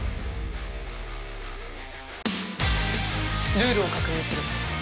ルールを確認する。